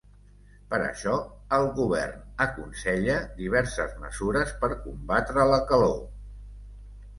Per això el govern aconsella diverses mesures per combatre la calor.